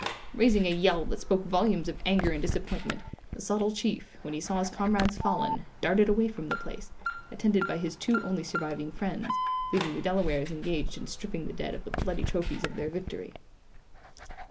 Raising a yell that spoke volumes of anger and disappointment, the subtle chief, when he saw his comrades fallen, darted away from the place, attended by his two only surviving friends, leaving the Delawares engaged in stripping the dead of the bloody trophies of their victory.